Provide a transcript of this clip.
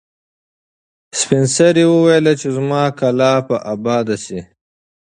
سپین سرې وویل چې زما کلا به اباده شي.